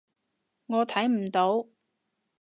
我睇唔到